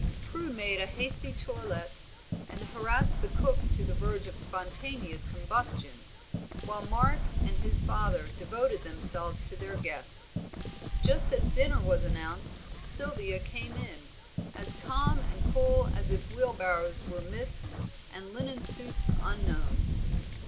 Prue made a hasty toilet and harassed the cook to the verge of spontaneous combustion, while Mark and his father devoted themselves to their guest. Just as dinner was announced Sylvia came in, as calm and cool as if wheelbarrows were myths and linen suits unknown.